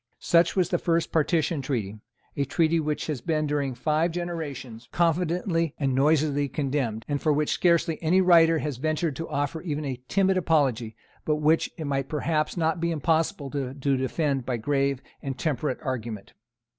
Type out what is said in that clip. Such was the first Partition Treaty, a treaty which has been during five generations confidently and noisily condemned, and for which scarcely any writer has ventured to offer even a timid apology, but which it may perhaps not be impossible to defend by grave and temperate argument.